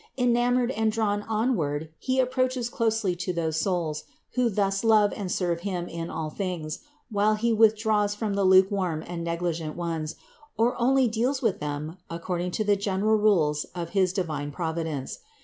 Enamoured and drawn onward He approaches closely to those souls, who thus love and serve Him in all things, while He withdraws from the lukewarm and negligent ones, or deals with them only according to the general rules of his divine Providence.